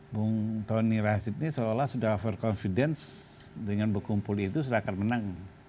bung tony razid ini seolah sudah berpercaya dengan bukung puli itu sudah akan menang